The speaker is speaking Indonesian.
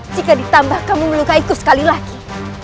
jika ditambah kamu melukaiku sekali lagi